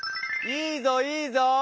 いいぞいいぞ！